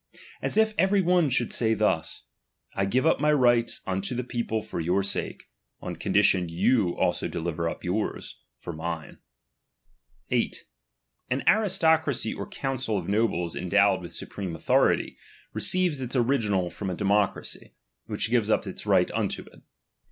As if every one should say thus : I give up my right nnto the people for your sake, on condition that you also deliver up yours for mine. 8. An aristocracy or council of nobles endowed '^■ with supreme authority, receives its original from i» a democracy, which gives up its right unto it.